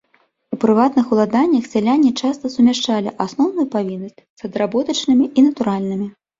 У прыватных уладаннях сяляне часта сумяшчалі асноўную павіннасць з адработачнымі і натуральнымі.